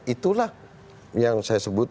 itulah yang saya sebut